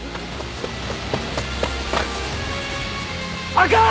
あかん！